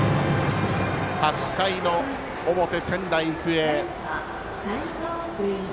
８回の表、仙台育英。